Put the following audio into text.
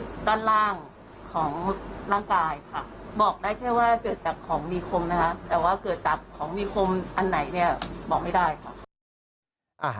แต่ว่าเกิดจากของมีโคมอันไหนบอกไม่ได้